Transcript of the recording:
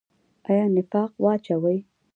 آیا نفاق واچوي؟